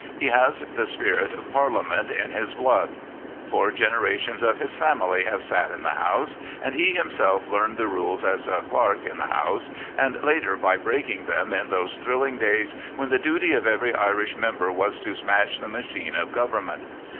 He has the spirit of Parliament in his blood. Four generations of his family have sat in the House, and he himself learned the rules as a clerk in the House, and later by breaking them in those thrill ing days when the duty of every Irish member was to smash the machine of government.